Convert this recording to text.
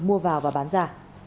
mua vào và bán ra